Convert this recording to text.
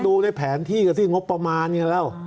ดูในแผนที่ก็ซึ้งงบประมาณอย่างนั้นแล้ว